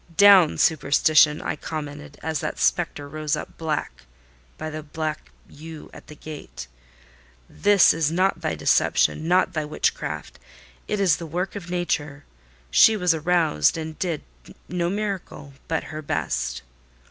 "Down superstition!" I commented, as that spectre rose up black by the black yew at the gate. "This is not thy deception, nor thy witchcraft: it is the work of nature. She was roused, and did—no miracle—but her best."